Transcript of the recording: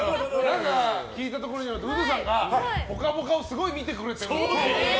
聞いたところによるとウドさんが、「ぽかぽか」をすごい見てくれてると。